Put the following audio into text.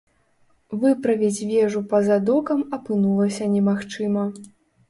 Выправіць вежу па-за докам апынулася немагчыма.